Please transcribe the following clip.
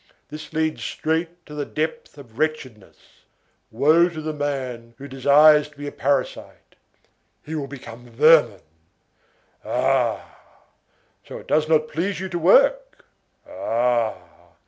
This leads straight to the depth of wretchedness. Woe to the man who desires to be a parasite! He will become vermin! Ah! So it does not please you to work? Ah!